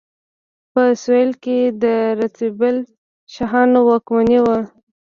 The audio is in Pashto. په سویل کې د رتبیل شاهانو واکمني وه.